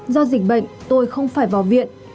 do dịch bệnh tôi không phải vào viện